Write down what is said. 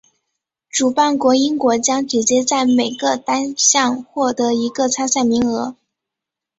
主办国英国将直接在每个单项获得一个参赛名额。